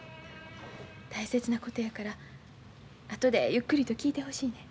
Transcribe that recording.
大切なことやから後でゆっくりと聞いてほしいねん。